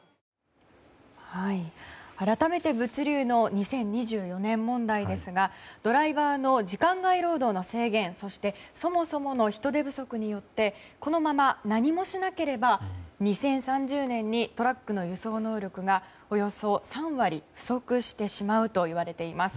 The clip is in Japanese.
改めて物流の２０２４年問題ですがドライバーの時間外労働の制限そしてそもそもの人手不足によってこのまま何もしなければ２０３０年にトラックの輸送能力がおよそ３割不足してしまうといわれています。